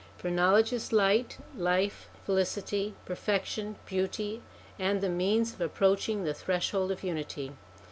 For knowledge is light, life, felicity, perfection, beauty, and the means of approaching the Threshold of Unity.